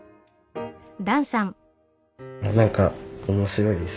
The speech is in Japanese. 何か面白いです。